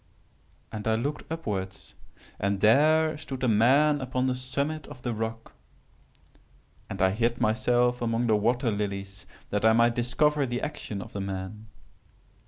"And I looked upwards, and there stood a man upon the summit of the rock; and I hid myself among the water lilies that I might discover the actions of the man.